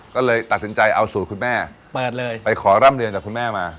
ก็เลยตัดสินใจเอาสูตรคุณแม่เปิดเลยไปขอร่ำเรียนจากคุณแม่มา